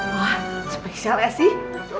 wah spesial ya sih